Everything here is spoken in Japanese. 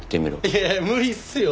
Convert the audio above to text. いやいや無理っすよ！